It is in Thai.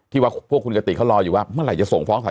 ว่าพวกคุณกติกเขารออยู่ว่าเมื่อไหร่จะส่งฟ้องศาล